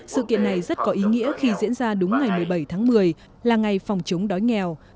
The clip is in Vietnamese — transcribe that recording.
sự kiện này rất có ý nghĩa khi diễn ra đúng ngày một mươi bảy tháng một mươi là ngày phòng chống đói nghèo